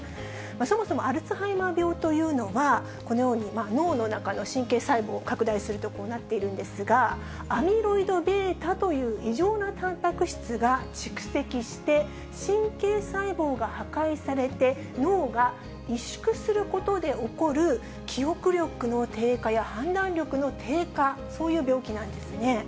そもそもアルツハイマー病というのは、このように、脳の中の神経細胞を拡大すると、こうなっているんですが、アミロイドβという異常なたんぱく質が蓄積して、神経細胞が破壊されて、脳が萎縮することで起こる、記憶力の低下や判断力の低下、そういう病気なんですね。